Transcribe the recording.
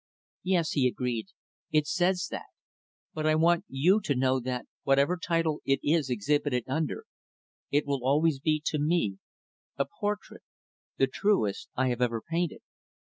"Yes," he agreed, "it says that. But I want you to know that, whatever title it is exhibited under, it will always be, to me, a portrait the truest I have ever painted."